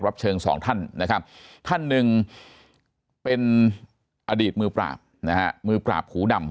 รับเชิง๒ท่านนะครับท่าน๑เป็นอดีตมือปราบมือปราบหูดำ